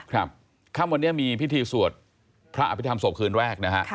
ครับค่ำวันนี้มีพิธีสวดพระอภิษฐรรศพคืนแรกนะฮะ